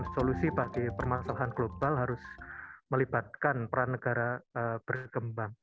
solusi bagi permasalahan global harus melibatkan peran negara berkembang